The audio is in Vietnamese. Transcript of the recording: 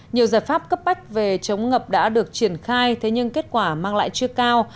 nhiều giải pháp cấp bách về chống ngập đã được triển khai thế nhưng kết quả mang lại chưa cao